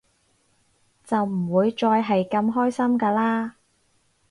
就唔會再係咁開心㗎喇